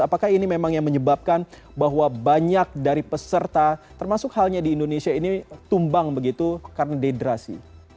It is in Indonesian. apakah ini memang yang menyebabkan bahwa banyak dari peserta termasuk halnya di indonesia ini tumbang begitu karena dehidrasi